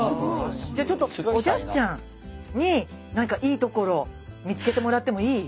じゃあちょっとおじゃすちゃんになんかいいところ見つけてもらってもいい？